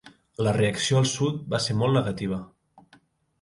La reacció al sud va ser molt negativa.